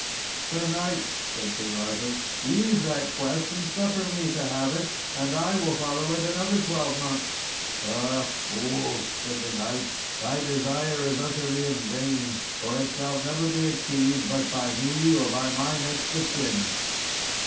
"Sir Knight," said King Arthur, "leave that quest and suffer me to have it, and I will follow it other twelve months." "Ah, fool," said the knight, "thy desire is utterly in vain, for it shall never be achieved but by me, or by my next of kin."